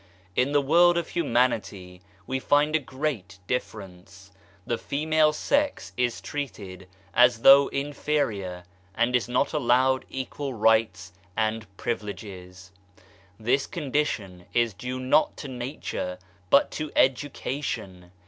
In the world of humanity we find a great difference ; the female sex is treated as though inferior, and is not allowed equal rights and privileges. This condition is due not to Nature, but to education.